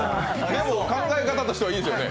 でも、考え方としてはいいですよね。